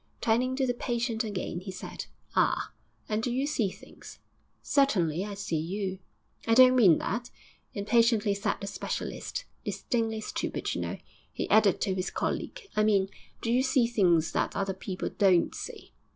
Turning to the patient again, he said, 'Ah! and do you see things?' 'Certainly; I see you.' 'I don't mean that,' impatiently said the specialist. 'Distinctly stupid, you know,' he added to his colleague. 'I mean, do you see things that other people don't see?'